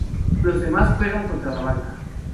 Los demás juegan contra la banca.